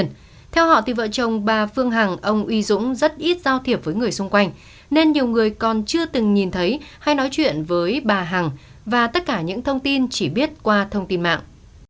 nên nhiều người còn chưa từng nhìn thấy hay nói chuyện với bà hằng và tất cả những thông tin chỉ biết qua thông tin mạng